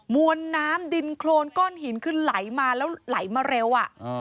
มวลน้ำดินโครนก้อนหินคือไหลมาแล้วไหลมาเร็ว